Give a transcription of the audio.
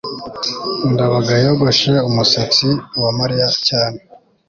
ndabaga yogoshe umusatsi wa mariya cyane